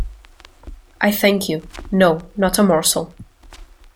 I thank you, no, not a morsel.